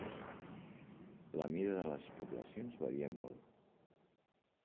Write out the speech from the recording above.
La mida de les poblacions varia molt.